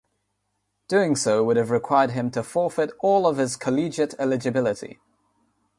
Doing so would have required him to forfeit all of his collegiate eligibility.